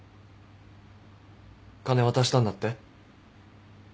金渡したんだって？